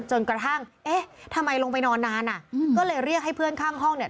จนกระทั่งเอ๊ะทำไมลงไปนอนนานอ่ะก็เลยเรียกให้เพื่อนข้างห้องเนี่ย